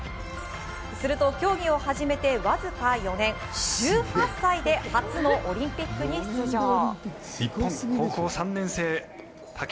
すると競技を始めてわずか４年、１８歳で初のオリンピックに出場。